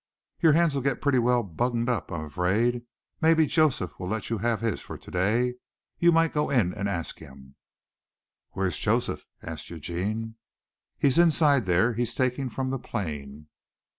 "Your hands'll get pretty well bunged up, I'm afraid. Maybe Joseph'll let you have his for to day, you might go in and ask him." "Where's Joseph?" asked Eugene. "He's inside there. He's taking from the plane."